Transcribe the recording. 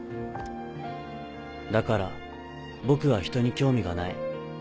だから僕はひとに興味がない。